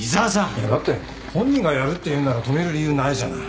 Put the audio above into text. いやだって本人がやるって言うなら止める理由ないじゃない。